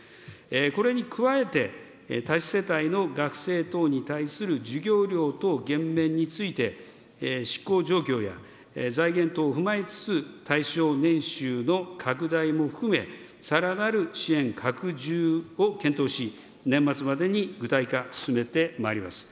これに加えて、多子世帯の学生等に対する授業料等減免について、執行状況や財源等を踏まえつつ、対象年収の拡大も含め、さらなる支援拡充を検討し、年末までに具体化進めてまいります。